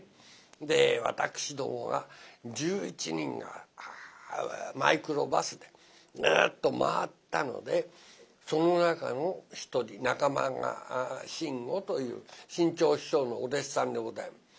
で私どもが１１人がマイクロバスでグルッと回ったのでその中の一人仲間が志ん五という志ん朝師匠のお弟子さんでござい。